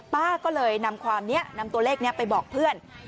ป้าก็เลยนำความนี้นำตัวเลขนี้ไปบอกเพื่อน